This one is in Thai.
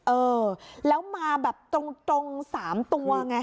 เออแล้วมาแบบตรง๓ตัวไง